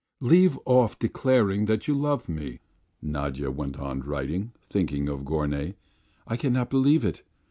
"Leave off declaring that you love me," Nadya went on writing, thinking of Gorny. "I cannot believe it.